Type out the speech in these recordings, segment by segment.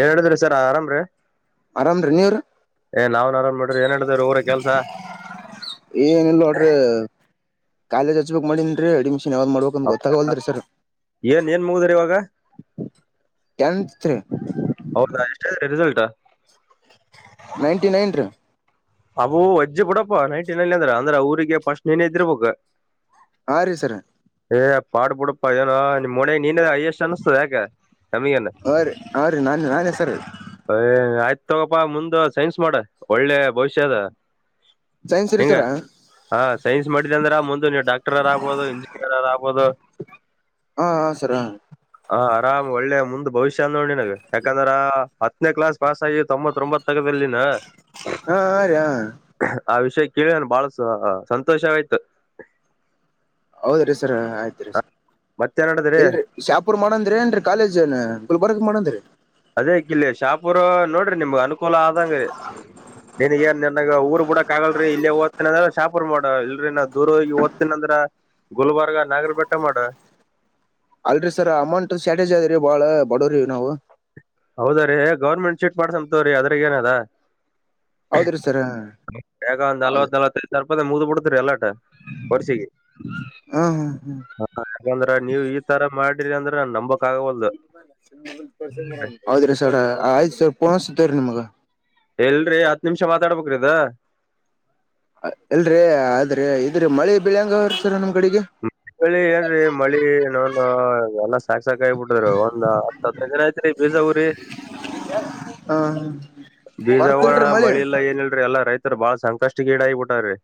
ಎರಡದ್ರೆ ಸ ಸರ ಆರಾಮ್ ರೆ. ಆರಾಮ್ರೀ ನೀವ್ರಿ ಏ ನಾವ್ನ್ ಆರಾಮ್ ಮಾಡ್ರಿ ಏನ್ ನಡದಾವ್ರಿ ಊರಗ್ ಕೆಲ್ಸ. ಕಾಲೇಜ ಹಚ್ಬೇಕ್ ಮಾಡಿನರಿ ಅಡ್ಮಿಶ ನ್ ಯಾವ್ದ್ ಮಾಡ್ಬೇಕಂತ ಅವ್- ಗೊತ್ತಾಗವಲದ್ರಿ ಸರ್. ಏನ್ ಏನ್ ಮುಗಿದ್ರಿ ಇವಾಗ ಟೆಂತ್ ಹೌದಾ ಎಷ್ಟ ರಿಸಲ್ಟಾ ನೈನ್ಟಿನೈನ್ ರ ಅಬೋ ವಜ್ಜಿ ಬಿಡಪ್ಪ ನೈಟಿನಲ್ಲಿ ಅಂದ್ರ ಅಂದ್ರ ಊರಿಗೆ ಪಸ್ಟ ನೀನ ಇದ್ದಿರ್ಬೇಕ. ಹಾ ರೀ ಸರ. ಏ ಪಾಡುಬಡಪಾ ಏನ ನಿಮ್ಮ ಓಣಿ ನೀನ್ ಆಯಷ್ಟ ಅನ್ನಿಸತದೆ ಯಾಕ ನಮಗ ಹಾ ರೀ ಹಾ ರೀ ನಾನ್ ನಾನೇ ಸರ್ ಆಯ್ತು ತೊಗಪ್ಪಾ ಮುಂದ ಸೈನ್ಸ್ ಮಾಡ ಒಳ್ಳೆ ಭವಿಷ್ಯ. ಷದ. ಸೈನ್ಸ್ ರೀ ಹಿಂಗ ಸರ ಹಾ ಹಾ ಸೈನ್ಸ್ ಮಾಡಿದೆ ಅಂದ್ರ ಮುಂದು ನೀವು ಡಾಕ್ಟರ್ರ್ ಆಗ್ಬಹದು ಇಂಜಿನಿಯರ್ರ ಆಗ್ಬೋದು ಹಾ ಹ ಸರ ಹ ಆರಾಮ್ ಒಳ್ಳೆ ಮುಂದ್ ಭವಿಷ್ಯ ನೋಡ್ಡಿ ನಿನಗೆ ಯಾಕಂದ್ರ ಹತ್ತನೇ ಕ್ಲಾಸ್ ಪಾಸ್ ಆಗಿ ತೊಂಬತರೋಮ್ಬತ [unintelligible] ಹಾ ಹಾ ಆ ವಿಷಯ ಕೇಳಿ ನನಗ್ ಬಾಳ ಸ ಸಂತೋಷವಾಯ್ತು ಹೌದ ರೀ ಸರ್ ಆಯ್ತು ರೀ ಮತ್ತೆನಡದ್ರಿ ಇಲ್ಲ ರೀ ಶಾಪುರ್ ಮಾಡಂದ್ರೀ ಏನು ರೀ ಕಾಲೇಜ್ ಗುಲ್ಬಾರಕ್ ಮಾಡಂದ್ರರಿ ಅದೇಕಿಲ್ಲಿ ಶಾಪೂರೊ ನೋಡ್ರಿ ನಿಮ್ಗ್ ಅನುಕೂಲ ಆದಂಗ್ರಿ, ನೀನ್ಗ ಏನ್ ನಿನ್ಗ ಊರ್ ಬಿಡಕ್ ಆಗಲ್ರಿ ಇಲ್ಲೇ ಓದ್ತಿನ್ ಅಂದ್ರ ಶಾಪೂರ್ ನೊಡ, ಇಲ್ರಿ ನಾ ದೂರ ಹೋಗಿ ಓದ್ತಿನ್ ಅಂದ್ರ ಗುಲ್ಬರ್ಗ, ನಾಗರಬಟ್ಟೆ ಮಾಡು ಅಲ್ರಿ ಸರ್ ಅಮೌಂಟ್ ಸ್ಯಾಟೇಜಿ ಅದರಿ ಬಾಳ ಬಡೋರಿ ನಾವು ಸರ್ ರೀ ಗೌರ್ಮೆಂಟ್ ಚೆಕ್ ಮಾಡತಾದ ತೋರಿ ಅದ್ರಗ ಏನ ಅದ ಹೌದ್ರಿ ಸರ್ ಎಗೋ ಒಂದ್ ಹೌದ್ ನಲ್ವತ್ ನಲ್ವತ್ತಯ್ದು ಮದ ಮುಗದಬಿಡತ ರಿ ಎಲೋಟ ಸರಿ ವರ್ಷಿಗೆ ಹಾ ಹಾ ಯಂದ್ರ ನೀವು ಈ ತರ ಮಾಡಿ ಅಂದ್ರೆ ನಂಬ [unintelligible] ಹೌದ್ರೀ ಸರ್ ಆಯ್ತು ಸರ್ ಪೋನಸತ ರೀ ನಿಮ್ಗ ಇಲ್ರರಿ ಹತ್ ನಿಮಿಷ ಮಾತಾಡ್ಬೇಕ್ರಿ ಇದು ಅಲ್ರೀ ಆದ್ರೆ ಇದ್ರೆ ಮಳಿ ಬೀಳಂಗ ಹೊರ್ತರ್ ಮಳಿ ಏಲ್ರಿ ಮಳಿ ನೋನು ಎಲ್ಲ ಸಾಕ್ ಸಾಕ ಆಗ ಬಿಟ್ಟದ್ರ ಒಂದ್ ಹತ್ತು ಹದನೈದ ದಿನ ಐತ್ರಿ ರಿಜಗುರಿ ಹ್ಮ ಹ ಬೀಜ ಉರಿವರಿ ಮಳಿ ಇಲ್ಲ ಏನಲ್ರಿ ಎಲ್ಲ ರೈತ ಬಾಳ ಸಂಕಷ್ಟ ಗೀಡ ಬಿಟ್ಟವರಿ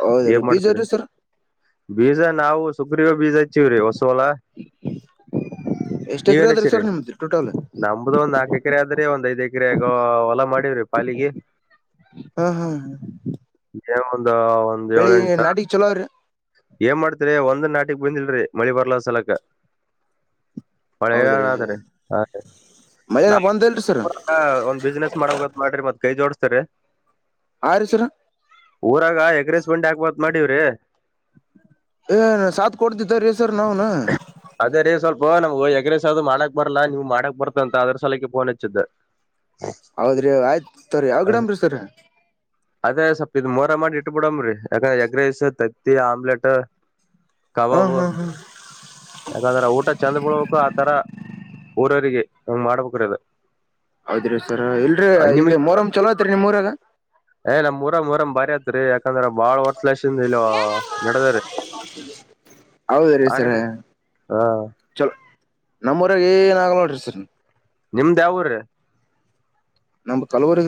ಹೌದ ರೀ ಏನ್ ಬೀಜ ಮಾಡ್ತರಿ ರಿ ಸರಾ ಬೀಜ ನಾವು ಸುಗ್ರೀವ ಬೀಜ [unintelligible] ಹೊಸಲ ಎಷ್ಟ್ ನೀವ್ ಎಕರೆ ಅದ್ರಿ ಸರ್ ನಿಮ್ದು ಟೋಟಲ್ ನಮ್ದ ಒಂದು ನಾಲ್ಕ [inaudible] ಒಂದ್ ಐ್ ಎಕರೆಗ ಹೊಲ ಮಾಡವ್ರಿ ಪಾಲಿಗೆ ಹೇಳ್ಬೇಕು ಬೆಳಿಗೆ ನಾಟಿ ಚಲೋ ಅವ್ರಿ? ಏನ್ ಮಾಡ್ತರಿ ಒಂದ ನಾಟಿಗೆ ಬಂದಿಲರಿ ಮಳಿ ಬರಲಾರ್ ಸಲಕ ಮಳೆ ಗಾಲ ಹೌದ್ರಿ ಅದ್ರೀ ಮಳೆನ ಬಂದಲ್ರಿ ಸರ್ ಒಂದ್ ಬಿಸ್ನೆಸ್ ಮಾಡಬೇಕಂತ ಮಾಡ್ರಿ ಮತ್ ಕೈ ಜೋಡ್ಸ್ ಸರಿ ಆರಿ ಸರ ಊರಾಗ ಎಗ್ರೆಸ್ [inaudible] ಡಿ ಹಗ್ಬತ್ ಮಾಡೀವ್ರಿ ಏ ಸಾತ್ ಕೊಡ್ತಿದ್ದ ರೀ ಸರ್ ನಾವ್ನ ಅದೇ ರೀ ಸ್ವಲ್ಪ ನಮ್ಗೆ ಎಗ್ರೆಸ್ ಅದು ಮಾಡಕ್ ಬರಲ್ಲಾ ನೀವ್ ಮಾಡಕ್ ಬರ್ತಂತ ಅದ್ರ ಸಲಕ್ಕೆೆ ಫೋನ್ ಹಚ್ಚಿದ್ದೆ ಹೌದ್ರಿ ಆಯ್ತು ತರಿ ಯಾವ ಗಿಡಂಬ್ರೀ ಸರಿ ಅದೇ ಸ್ವಪ್ ಇದ್ ಮೋರ ಮಾಡಿ ಇಟ್ಬಿಡಮ್ರಿ, ಯಾಕಂದ್ರೆ ಎಗ್ ರೈಸ್, ತತ್ತಿ, ಆಮ್ಲೆಟ್ಟು ಹಾ ಕಬಾಬು ಹಾ ಹಾ ಯಾಕಂದ್ರೆ ಊಟ ಚೆಂದ ಬಿಳ್ಬೇಕು ಆತರ ಊರರಿಗೆ ಹೌದ್ರಿ ಸರ್ ಇಲ್ರಿ ಇದು ಮೊರಂ ಚಲೋ ಐತ್ರಿ ನಿಮ್ಮ ಊರಾಗ ಏ ನಮ ಊರಂಗ್ ಮೋರಂ ಬಾರಿ ಆತ್ದ್ರಿ ಯಾಕಂದ್ರ ಬಾಳ್ ವರ್ಷದ ಲಷಿಂದ ಇಲ್ಲ ನಡದ ರೀ ಹೌದ ರೀ ಸರ ಹ ಚಲೋ ನಮ್ಮೂರಾಗ ಏನ್ ಆಗಲ ನೋಡಿರ್ ಸರ್ ನಿಮ್ದ್ ಯಾವ್ ಊರ್ರಿ? ನಮ್ ಕಲವರ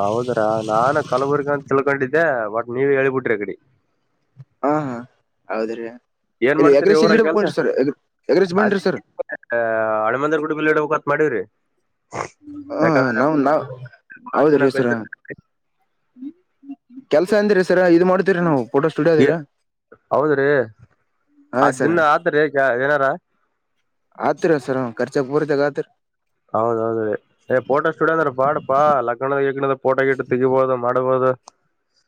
ಹೌದ್ರಾ ನಾನ ಕಲಬುರ್ಗ ಅಂತ ತಿಲ್ಕೊಂಡಿದ್ದೆ ಬಟ್ ನೀವ ಹೇಳ್ಬಿಟ್ರಿ ಅಕಡೆ ಹಾ ಹಾ ಹೌದ್ರಿ ಏನ್ ಇಲ್ಲಿ ಮಾಡ್ತಿರಿ ಎಗ್ರೆಸ್ ಎಲ್ಲಿ ಊರಾಗ ಕೆಲ್ಸ ಇಡ್ಬೇಕುಂಟ್ರಿ ಸರ್ ಎಗ್ರೆಸ್ ಅದೇ ಬನ್ರಿ ಸರ್ ಹಣಮಂದರ ಗುಡಿ ಬಿಲ್ ಇಡಬೇಕತ್ ಮಾಡೀವ್ರಿ ಹ ನಾ ನಾವ ಹೌದ ಜನ ರೀ ಸರ ಕಲ್ತಿರ್ ಕೆಲ್ಸ ಅಂದಿ್ರ ಸರ ಇ ಮಾಡ್ತೀರ ನಾವು ಫೋಟೋ ಸ್ಟುಡಿಯೋ ಅದ್ರಿ ಹೌದ್ರೀ ಹಾ ಆ ಸರ್ ಜನ್ನ ಆದ್ರಿ ಈಗ ಏನಾರ ನಮ್ಮೋರು ಜಗಳ ಆಡ್ತರ ಹೌದೌದು ರೀ ಏ ಫೋಟೋ ಸ್ಟುಡಿಯೋ ಅಂದ್ರೆ ಬಾಡಪಾ ಲಗ್ನದ ಯಗ್ದ ಪೋಟಗಿಟ್ಟು ತಗಿಬಹುದು ಮಾಡಬಹುದು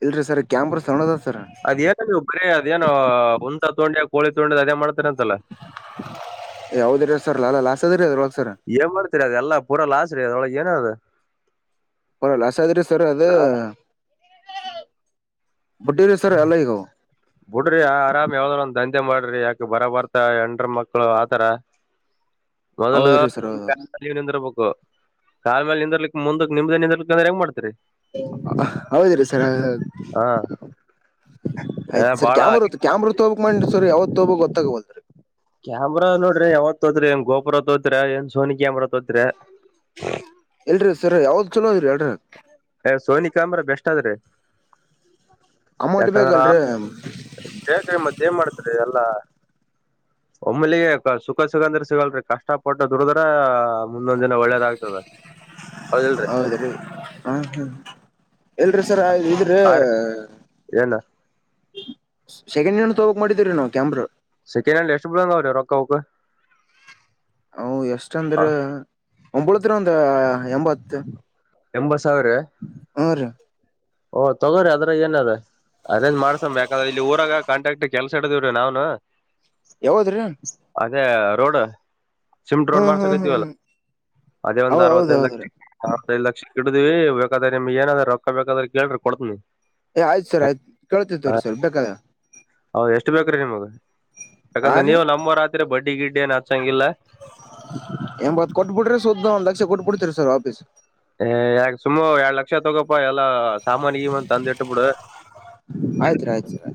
ಇಲ್ರಿ ಸರ್ ಕ್ಯಾಂಪ್ರ ಸಣ್ಣದ ಸರ್ ಅದೇನ ನೀ ಒಬ್ಬರೇ ಅದೇನೋ ಒಂದ ತೊಂಡಿ ಯಾವದಿರ ಸರ್ ಲಲ್ಲ ಲಾಸ್ ಸದ. [unintelligible] ಏ ಮಾಡ್ತೀರಿ ಅದುಲ್ಲ ಪೂರ ಲಾಸ್ ರರಿ ಅದೊಳಗೆ. ಯ ನ ಅದು ಬರಲ್ಲಸಾದ್ರಿ ಸರ್ ಅದು. ಬಿಡ್ರಿ ಆರಾಮ್ ಯಾವ್ದ್ರ ಒಂದ ಮಾಡ್ರಿ ಯಾಕ ಬರ ಬರ್ತ ಎಂಡ್ರ ಮಕ್ಳು ಆತರ. ಮೊದಲುವ ಹೌದ್ರಿ ಸರ್ ಹೌದು ನಿಂದ್ರಬೇಕು ಕಾ ಮೇ ನಿಂದರ್ಲಿಕ್ ಮುಂದಕ್ ನಿಮ್ದ ನಿಂದಲಿ ಅಂದ್ರೆ ಹೆಂಗ ಮಾಡ್ತೀರಿ. ಹೌದಿರ ಸರ್ ಹಾ ಏ ಆಯ್ತ ಸ ಬಾಳ ಕಾಮ ಬರುತ್ತ ಕಾಮ್ ಬರುತ್ತ ಹೋಗಕ್ ಮ ರ್ ಯಾವತ್ ತೋಬ ಗೊತ್ತಾಗಬಲ್ದರಿ ಕ್ಯಾಮ್ರಾ ನೋಡ್ರಿ ಯಾವತ್ ತೋತ್ ಏನ್ ಗೋಪುರ ತೋತ್ ಏನ್ ಸೋನಿ ಕ ಅಾಮ್ರ ತೋತ್. ಎಲ್ರಿ ಸರ್ ಯಾವ್ದ್ ಚಲೋ ಇದ್ರರಿ ಎಲ್ರಿ ಸೋನಿ ಕಾಮ್ರ ಬೆಸ್ಟ್ದ್ರೆ ಅಮೌಂಟ್ ಯಾಕಂದ್ರ ಬೇಕಲ್ರಿ ಬೇಕ್ರ ಮತ್ತೆ ಏನ್ ಮಾಡ್ತರಿ ಎಲ್ಲಾ. ಒಮ್ಮಲಿ ಸುಖ ಸುಗಂದ್ರ ಸಿಗಲ್ರಿ ಕಷ್ಟ ಪಟ್ಟ ದುಡದ್ರ. ಮುಂದೊಂದ್ ದಿನ ಒಳ್ಳೇದ ಆಗ್ತದೆ ಹೌದಲ್ರಿ ಹೌದ್ರಿ ಹಾ ಹಾ. ಎಲ್ರೀ ಸರ್ ಇದ್ರೆ ಏಲ್ಲ ಸೆಕೆಂಡ್ ನೀನ್ ತಗೋಕ್ ಮಾಡಿದೀ ನಾವವು ಕಾಮ್ರ. ಸೆಕೆಂಡ್ ಹ್ಯಾಂಡ್ ಎಷ್ಟ ಬಿಡ್ಂದಲ ರೊಕ್ಕ ವಕ್ಕ ಅ ಎಷ್ಟ ಅಂದ್ರ. ಒಂಬಳತ್ತರ ಒಂದು ಎಂಬತ್ತು. ಎಂಬತ್ ಸಾವಿರ ಓಹ ತಗೋ್ರಿ ಅದ್ರ ಏನ ಅದ ಅರೇಂಜ್ ಮಾಡ್ಸ ಬಾದ್ರೆ ಇಲ್ಲಿ ಊರಾಗ ಕಾಂಟಾಕ್ಟ್ ಕೆಲ್ಸ ಹಡ್ದೇವ್ರಿ ನಾವನು ಯಾವದ್ರೀ ಎೊಡ ಸಿಮ್ಡ್ರೋನ್ ಮಾಡಸಕೈತೀವಲ್ಲ. ಅದೇ ಹೌ ಒಂದ್ ಅರವತ್ತೈದು ಲಕ್ಷ ಹೌದೌದ್ರೀ ಅತ್ತೈ್ ಲಕ್ಷ. ಇಡ್ದಿವವಿ ಬೇಕಾದೆ ನಿಮ್ ಏನಾದ್ರ ರೊಕ್ಕ ಬೇಕಾದ್ರೆ ಕೇಳ್ರಿ ಕೊಡ್ತನಿ ಏ ಆಯ್ತು ಸರ್ ಆಯ್ತು ಕೇಳ್ತಿತ್ತವ್ರೀ ಸರ್ ಬೇಕಾದ ಹೌ್ ಎಷ್ಟು ಬೇಕ ರೀ ನಿಮ್ಗೆ ಆ ಯಾಕಂದ್ರೆ ರೀ ನೀವು ನಮ್ಮ ರಾತ್ರಿ ಬಡ್ಡಿ ಗಿಡ್. ಏನ್ ಆಚಾಗ್ಗಿಲ್ಲ ಎ ಬತ್ತು ಕೊಟ್ಟಬಡ ರ ಶೋದ ಲಕ್ಷ್ಯ ಕೊಟ್ಟು ಪಡ್ತ ರೀ ಸರ್ ವಾಪೀಸ್ ಯಾ ಸುಮ್ ಎರಡ್ಡು ಲಕ್ಷ ತಗೋಪ್ಪಾ ಎಲ್ಲ ಸಾಮಾನ್ಿಗೆಂದು ತಂದ ಇಟ್ಟು ಬಿಡು. ಆಯ್ತ್ ರೀ ಆಯ್ತ್ ಸರ್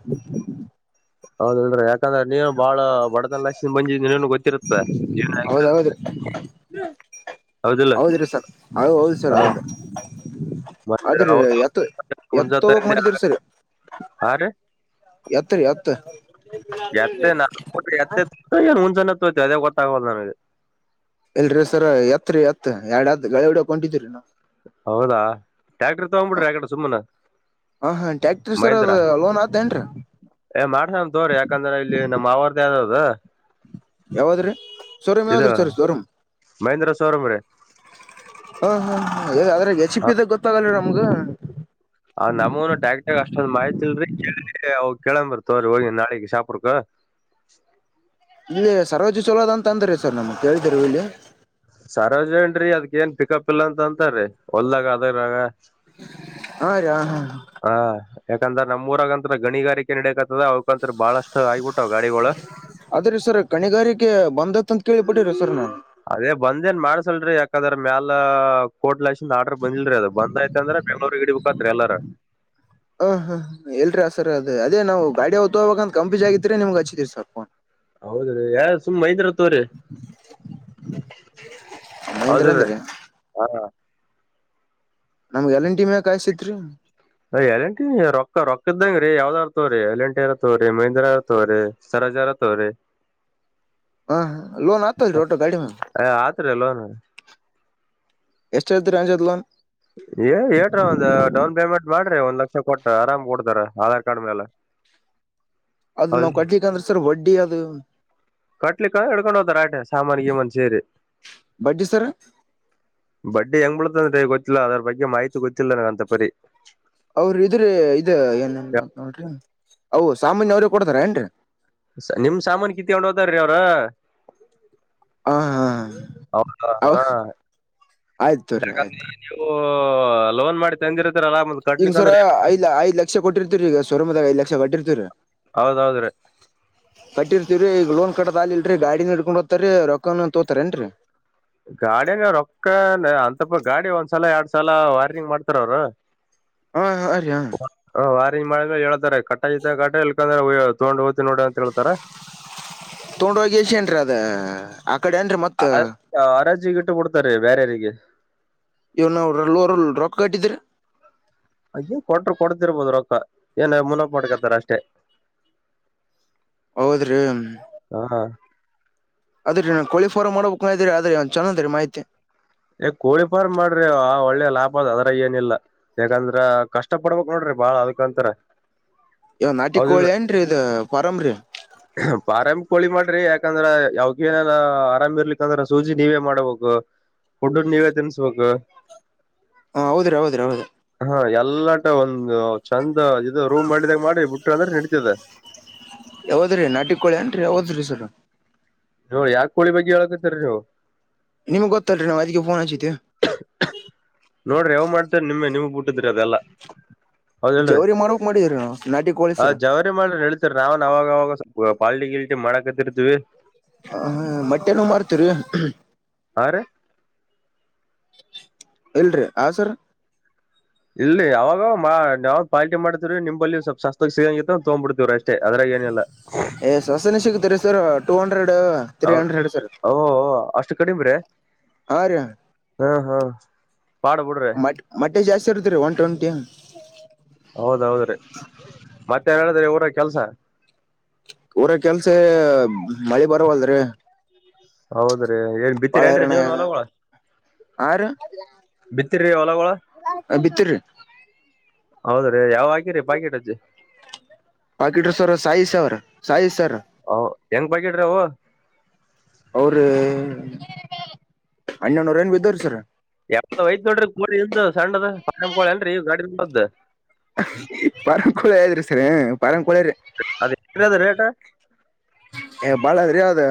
ಹೌದಲ್ರರಿ ಯಾಕಂದ್ರೆ ನೀವು ಬಾಳ ಬಡತನ ಲಕ್ಷ್ಮಿ ಬಂದಜಿದ ಗೊತ್ತಿರುತ್ತ ಜೀವನ ಹೌದ್ ಹೌದ್ರಿ ಹೆಂಗ ಹೌದಿಲ್ಲ ಹೌದ್ರಿ ಸರ್ ಹೌದ್ ಹೌದು ಸರ್ ಹ ಹೌದು ಮತ್ತ ಆದ್ರಿ ಎತ್ ಎತ್ ರತ್ತ ತಗೋಕ್ ನಏ ಮಾಡಿದೀರಿ ಸರ್ ಹಂ ಎತ್ರಿ ಎತ್ ಜ [unintelligible] ಅದೇ ಗೊತ್ತಾಗಗೊಲ್ದು ನಂಗೆ ಎಲ್ರೀ ಸರ ಎತ್ರಿ ಎತ್ ಎರಡತ್ ಗಳಡಕೊಂಡಿದೀರಿ ನಾವವು ಹೌದಾ ಟ್ಯಾಕ್ಟ್ರ ತಗೊಂಡ್ ಬಿಿಡ್ರಿ ಯಕಡೆ ಸುಮ್ಮನ ಹಾ ಹಾ ಟ್ಯಾಕ್ಟ್ರಿ ಸರ್ ಮಹಂದ್ರ ಅದ ಲೋನ್ ಆತೇನ್ರೀ ಏ ಮಾಡ್ಸ ತೋ್ರಿ ಯಾಕಂದ್ರ ಇಲ್ಲಿ ನಮ್ಮ್ ಅವರ್ದ ಆದ. ಅ. [unintelligible] ಯಾವಾದ್ರೀ ಸ್ವರೂಂ ಯಾವದ್ರೀ ಸರ್ ಸ್ವರೂಂ ಮಹೇಂದ್ರ ಶೋರೂಮ್ ರೀ ಹ ಹ ಅದ್ರೆ ಎಚ್ಿ ಪಿದಾಗ ಗೊತ್ತಾಗಲ್ಲ ನಮ್ಗ ಆ ನಮ್ಮೂನು ಡೈಕ್ಟ ಅಷ್ಟ ಒಂದ್ ಮಾಹ್ತಿ ಇಲ್ರಿ ಅವ ಕೇಳಂದ್ ಬರ್ತವ್ರೀ ಹೋಗಿ ನಾಳಗ್ ಶಾಪಡ್ಕ ಇಲ್ಲಿ ಸರ್ವೋಜ ಸೋಲಾದ ಅಂತ ಅಂದ್ರ ಸರ್ ನಮ್ಗೆ ಕೇಳಿದಿರ ಇಲ್ಲಿ ಸರೋಜ್ ಏನ್್ರೀ ಅದ್ಕ ಏನ್ ಪಿಕಪ್ ಇಲ್ಲಾ ಅಂತ ಅಂತಾರೀ ಹೊಲ್ದಾಗ ಅದರಾಗ ಹಾ ಹಾ ಹ ಹಾ ಯಾಕಂದ್ರ ನಮ್ಮ್ೂರಗಂ ಗಣಿಗಾರಿಕೆ ನಡಕ್ತದ ಅವ್ಕಂತ್ರ ಬಹಳಷ್ಟು ಆಗಗ್ಬಿಟ್ಟ್ ಗಾಡಿಗಳು ಅದ್ರೀ ಸರ್ ಕಣಿಗಾರಿಕೆ ಬಂದತ್ ಅಂತ ಕೇಳಳ್ಪಟ್ಟಿರ ಸರ್ ನಾು ಅದೇ ಬಂದೇನ್ ಮಾಡ್ಸಲ್ರಿ ಯಾಕದ್ರ ಮ್ಯಾಲ ಕೋಟ್ ಲಕ್ಷ ಆಡರ್ ಬಂದಿಲ್ರಿ ಅದು ಬಂದಾಯ್ತದ್ರೆ ಎಲ್ಲರ ಇಿಡಿಬೇಕತ್ರಿ ಎಲ್ಲರ. ಹ್ಮ್ ಹ್ಮ್ ಎಲ್ರಿ ಆ ಸರ್ ಅದ ಅದೇ ನಾವು ಗಾಡಿ ಹೊ್ತ ಹೋಗಬೇಕ ಅಂತ ಕಂಪಿಜ ಆಗಿದ್ರರಿ ನಿಮ್ಗ್ ಹಚ್ಚಿದೀರಿ ಸಾಕಪೋನ್ ಹೌದ ರೀ ಯ ಸುಮ್ಮ್ ಮೈಂದ್ರ. ಮಹೇಂದ್ರ ಹೌದೀ ಅಂದ್ರಿ ಹಾ ನಮ್ಗೆ ಎಲ್ಲಿನ್ಟಿ ಮ್ಯಾ ಕಾಯಸತ್ರಿ ಅ ಎಲೆಂಟಿ ರೊಕ್ಕ ರೊಕ್ಕ ಇದ್ದಂಗ ರೀ ಯಾವ್ದಾರ ತೋ್ರಿ ಎಲೆಂಿರ ತೋವ್ರರಿ ಮಹಂದ್ರಾರ ತೋ್ರಿ ಸರಜಾರ ತೋ್ರಿ ಹಾ ಹ ಲೋನ್ ಆತ [inaudible] ಟೋ ಗಾಡಿ ಮ ಆತ್ರಿ ಲೋನ್ ಎಷ್ಟು ಎಳ್ತ ರಂಜತ್ಲನ್ ಏ ಹೇಳೇರ ಒಂದು ಡೌನ್ ಪೇಮೆಂಟ್ ಮಾಡ್ರಿ ಒಂದ್ ಲಕ್ಷ ಕೊಟ್ಟ ಆರಾಮ್ ಕೊಡ್ತಾರ ಆಧಾರ್ ಕಾರ್ಡ್ ಮೇಲೆ ಅದ್ ಹೌದ್ ನಾವವು ಕಟ್ಲಿಕ್ಕೆ ಅಂದ್ರೆ ಸರ್ ಒಡ್ಡಿ ಡಿ ಅದು ಕಟ್ಲಿಕ್ಕೆ ಹಡ್ಕೊಂಡ್ ಹೋತಾರ ಆಟ ಸಾಮಾನಿಗೆಮನ್ ಸೇರಿ ಬಡ್ಡಿ ಸರ್ ಬಡ್ಡಿ ಹೆಂಗ್ ಮುಳತ ಅಂದ್ರೆ ಗೊತ್ತಿಲ್ಲ ಅದ್ರ ಬಗ್ಗೆ ಮಾಹಿತಿ ಗೊತ್ತಿಲ್ಲ ನನ ಅಂತ ಪರಿ ಅವ್ರ ಇದ್ರ ಇದ ಏನನ್ ಮಾತ್ ನೋಡ್ರಿ ಅವು ಸಾಮಾನ್ಯ ಅವ್ರ ಕೊಡ್ತಾರ ಏನ್ರೀ. ನಿಮ ಸಾಮಾನ ಕಿ ತಕೊಂಡು ಹೋದಾರ್ರೀ ಅವ್ರ [inaudible] ಹ ಹಾ ಹೌ ಅವ ಹಾ ಆಯ್ತ ತೋರಿ ಆಯ್ತು ಲೋನ್ ಮಾಡಿ ತಂದಿರುತ್ತೆ. ಈಂಗ ಸರ ಐದ ಐದ್ ಲಕ್ಷ ಕೊಟ್ಟಿರ್ತೀರಿ ಈಗ ಶುರ್ಮದಾಗ ಐ ಲಕ್ಷ ಗಡ್ಟ್ಟಿತೀ ರರಿ ಹೌದೌದ್ರೀ ಕಟ್ಟಿರ್ತಿವ್ರೀ ಈಗ ಲೋನ್ ಕಡದ ಆಗ್ ಇಲ್ರರಿ ಗಾಡಿನ ಇಡ್ಕೊಂಡ್ ಹೋಗ್ತಾರ ರೊಕಮನ್ ತೋತಾರೇಏನ್ರರಿ ಗಾಡಿಯನ ರೊಕ್ಕ ಅಂತಪ್ಪ ಗಾಡಿ ಒಂದ್ಸಲ ಎರಡ್ ಸಲ ವಾರ್ನಿಂಗ್ ಮಾಡ್ತಾರ ಅವರು ಹಾ ಹ ರಾ. [inaudible] ಮಾಡಿದೇಳ್ತಾರೆ ಕಟ್ಟ ಜ ಕ್ರೆ ತೊಂಡ [inaudible] ಎಷ ನ್ರಿ ಅದ ಅ [inaudible] ಆ ಆರಿ ಗ [inaudible] ಕೊಡ್ತಾರೆ ಬೇರಿಗೆ ಇವನ್ರಲ್ ರೊಕ್ಕ ಕಟ್ಟಿದ್ರ. ಅ ಕೊಟ್ರರು ಕೊಡ್ತಿರ್ಬೋದು ರೊಕ್ಕ ಏನ ಮುನ್ನಕ್ ಮಾಡಡ್ಕತಾರ ಅಷ್ಟೇ ಹೌದ್ರಿ ಹ ಅದ್ರರಿ ಕೋಳಿ ಫಾರಂ ಮಾಡ್ಬೇಕು ಇದಿ ಅ ಆದ್ರೆ ಒಂದ್ ಚೆಂದ ರೀ ಮಾಹಿತಿ ಏ ಕೋಳಿ ಫಾರ್ಮ ಮಾಡ್ರಿ ಆ ಒಳ್ಳೆ ಲಾಭ ಅದ ಅದ್ರ ಏನಿಲ್ಲ ಯಾಕಂದ್ರ ಕಷ್ಟ ಪಡ್ಬೇಕಕ್ ನೋಡ್ರಿ ಬಾಳ್ ಅದಕಂತರ ಇವ ನಾಟಿ ಕೋಳಿ ಏನ್ರಿ ಇದ್ ಪರಂಬ್ರಿ ಆರಾಮ ಕೋಳಿ ಮಾಡ್ರಿ ಯಾಕಂದ್ರ ಯಾವಕನ ಆರಾಮ ಇರ್ಲಿಕ್ಕಂದ್ರ ಸೂಜಿ ನೀವೇ ಮಾಡಬೇಕು ಡ್ಡು ನೀವೇ ತಿನ್ಸ್ಬೇಕ ಹ ಹೌದ್ರಿ ಹೌದ್ರಿ ಹೌದ್ರಿ ಹಾ ಯ ಎಲ್ಲಾಟ ಒಂದು ಚಂದ ಇದು ರೂಮ್ ಮಾಡಿದಾಗ ಮಾಡಿ ಬಿಟ್ರ ಅಂದ್ರೆ ನಡತದೆ ಯಾವದ್ರಿ ನಾಟಿ ಕೋಳಿ ನ್ರಿ ಯಾವದ್ರಿ ಸರ್. ನೋಡಿ ಯಾಕ ಕೋಳಿ ಬಗ್ಗೆ ಹೇಳಳ್ಕತರಿ ನೀವು. ನಿಮ್ಗ್ ಗೊತ್ತಲ್ರರಿ ನಾ್ ಅದಿಗೆ ಫೋನ್ ಹಚತಿು ಹೌದ ಹೇಳಿ ಜವರಿ ಮಾರಕ್ ಮಾಡಿದ್ರಿ ನಾವು ನಾಟಿ ಕೋಳಿ ಹ ಸರ್ ಜವರಿ ಮಾಡ ಹೇಳ್ತಿರಿ ನಾವಾಗಾಗ ಪಾಲಿಟಿಕಲಿಟಿ ಮಡಕ ತಿರುಚವಿ ಹ ಮಟ್ಟೆನ ಮಾಡ್ತೀರಿ ಹ [inaudible] ಇಲ್ರಿ ಹ ಸರ್ ಇಲ್ಲಿ ಯಾವಾಗ ಯಾವ್ ಪಾಲ್ಟಿ ಮಾಡ್ತವ್ರೀ ನಿಂಬಲ್ಲಿ ಸ್ವಪ ಸಸ್ತಕ್ ಸಿಗಂಗ ತಗ್ಬ ಬಿಡ್ತೀವ ಅಷ್ಟ್. ಏ ಸವಸನೆ ಸಿಗತಾರೆ sir. Two hundred three hundred sir. ಓ ಅಷ್ಟು ಕಡಿಮ ರೆ ಹಾ ರ ಹಾ ಹಾ ಪಾಡ ಬಿಡ್ರಿ ಮ ಮಟ್ಟೆ ಜಾಸ್ತಿ ಇರ್ತರಿ ಒನ್ ಟ್ವೆಂಟಿ. ಹ. ಹೌದೌದ್ರೀ ಮತ್ತೆನ್ ಹೇಳಿದ್ರಿ ಊರ ಕೆಲ್ಸ ಅವರ ಕೆಲ್ಸ ಮಳೆ ಬರಲ್ರಿ ಹೌದ ಏನ್ ಬಿತ್ತೀರ ಏನ್ರೀ ನೀವನ್ ಆಗ್ಯದ ಅಲಳ ಬಿತ್ತ. ರಿ ಹೊಲಗ ಆ ಭತರ. ಹೌದ್ರೀ ಯಾವ ಹಾಕಿರಿ ಪಾಕೆಟ್ ಅಜ್ಜಿ ಪಾಕಿಟ್ಸ ಅವರ್ ಸಾಯಿ ಅವರ್ ಸಾಯ ಹ ಹೆಂಗ್ ಬಡ್ರವು ಅವ್ರ ಅಣ್ಣನರ ಏನ್ ಬಿದ್ದಾರ ಸರ್ ಎವ್ದ ವಯ್ತೋಡ್ರಿ ಕೋಳ ಸಣ್ಣದ ಪಂ ಕೋಳ ಅಏನ್ಗಾಡಿದ್ದ ಪರಂಕುಳ ಇದ್ರಿ ಸರ ಪರಂ ಅದ ಎದ ರೇಟ ಬಾಳದ್ರಿ ಯಾವದ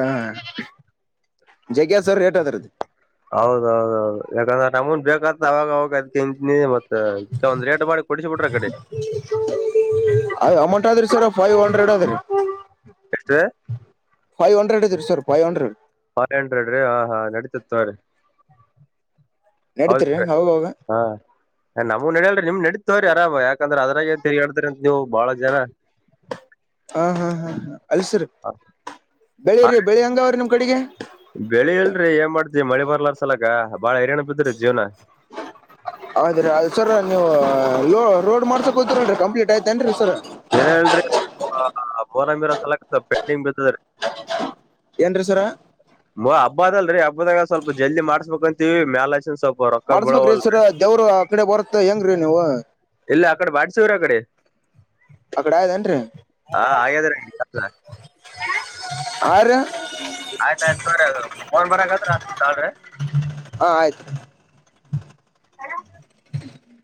ಜಗ್ಸರ್ ಟ್ದ್ರದು ಹೌದೌದೌದು ಯಾಕಂದ್ರೆ ನಮನ್ ಬೇಕತ ಅವಾಗ ಅವಾಗ ಅದ್ಂತ ಮತ್ತ. ಒಂದ ರೇಟ್ ಮಾಡಿ ಕೊಡಿಸಿ ಬಿಟ್ರೆ ಕಡೆ ಅಮೌಂಟ್ ಆದ್ರಿ ಸರ್ ಫೈವ್ ಹಂಡ್ರೆಡ್ ಅದ್ರಿ ಎಷ್ಟ ಫೈವ್ ಹಂಡ್ರೆಡ್ ಇದೆ ಸರ್ಫೈವ ಹಂಡ್ರಡ್ ಫೈ್ ಹಂಡ್ರೆಡ್ ಹ ಹಾ ನಡೀತತ್ ಅವ್ರೀ ನಡೀತರಿಹೋಗಾಗ ನವು ನಡಲ್ರಿ ನಿಮ್ ನಡೀತವ್ರಿ ಆರಾಮ ಯಾಕಂದ್ರೆ ಅದ್ರಾಗೆ ತಿರಿಗಾಳ್ತ್ಅಂತ ನೀವು ಬಹಳ ಜನ ಹ ಹಾ ಹಾ ಹಾ ಅಲ್ಸರಿ ಬೆಳಿರಿ ಬೆಳಿ ಹಂಗ ಅವ್ರ ನಿಮ ಕಡೆಗೆ ಬೆಳಿ ಇಲ್ರಿ ಏನ್ ಮಾಡ್ತಿವಿ ಮಳೆ ಬರ್ಲಾರ ಸಲಾಗ ಹದ್ರೆ ಅದು ಸರ ನೀವು. ರೋಡ್ ಮಾಡಸಕ ಹೀ ಕಂಪ್ಲಟ್ ಆಯ್ತೇರ್ರ್ ಸರ ವಓರಾಮಿರ ಸಲಕ ಪಿಂಗ್ ಬತ್ತದರಿ ಎಂದ್ರ ಸವರ. ಮ ಹಬ್ಬದ ಅಲ್ರರಿ ಹಬ್ಬದಾಗ ಸ್ವಲ್ಪ ಜಲ್ದಿ ಮಾಡ್ಸ್ಕಕ್ ಅಂತೀವಿ ಮೇಾಲಸ ಸ್ವಲ್ಪ ರೊಕ್ಕ ಬೀಳವಲ್ ಮಾಡಸ್ಬೇಕ್ರೀವರ ದೇವ್ರು ಆ ಕಡೆ ಬರತ್ ಹೆಂಗ್ರೀ ನೀವು ಇಲ್ಲ ಆ ಕಡೆ ವಾರಸವರ ಕಡೆ. ಅಕಡ ಇದಏನ್ರಿ ಹಾ ಆಗ್ಯಾದ್ರಿ ಆರ. ಆಯ್ತಯ್ ಸರಿದು ಬರ ತಾವೆ ಆಯ್